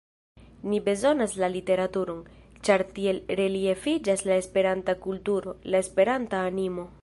Ni bezonas la literaturon, ĉar tiel reliefiĝas la Esperanta kulturo, la Esperanta animo.